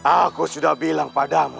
aku sudah bilang padamu